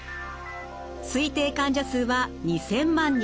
推定患者数は２，０００万人。